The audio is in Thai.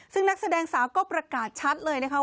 ซึ่งนักแสดงสาวก็ประกาศชัดเลยนะคะ